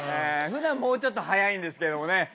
普段もうちょっと早いんですけどもね。